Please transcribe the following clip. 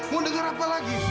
mau dengar apa lagi